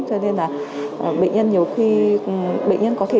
cho nên là bệnh nhân nhiều khi